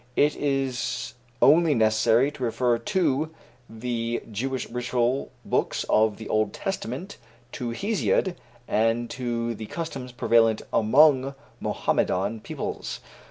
It is only necessary to refer to the Jewish ritual books of the Old Testament, to Hesiod, and to the customs prevalent among Mohammedan peoples.